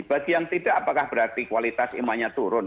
bagian tidak apakah berarti kualitas imannya turun